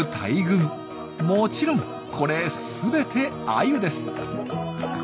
もちろんこれ全てアユです。